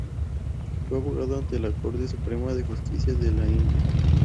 Fue abogado ante la Corte Suprema de Justicia de la India.